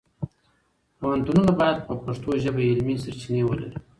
پوهنتونونه باید په پښتو ژبه علمي سرچینې ولري.